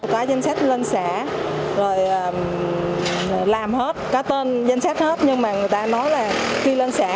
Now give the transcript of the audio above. có danh sách lên xã rồi làm hết có tên danh sách hết nhưng mà người ta nói là khi lên xã